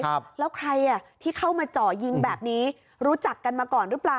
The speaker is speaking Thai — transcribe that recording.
ครับแล้วใครอ่ะที่เข้ามาเจาะยิงแบบนี้รู้จักกันมาก่อนหรือเปล่า